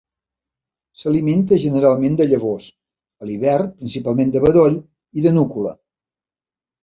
S'alimenta generalment de llavors, a l'hivern principalment de bedoll i de núcula.